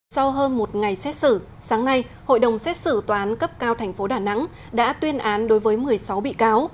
sau hơn một ngày xét xử sáng nay hội đồng xét xử tòa án cấp cao tp đà nẵng đã tuyên án đối với một mươi sáu bị cáo